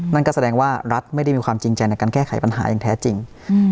นั่นก็แสดงว่ารัฐไม่ได้มีความจริงใจในการแก้ไขปัญหาอย่างแท้จริง